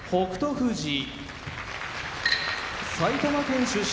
富士埼玉県出身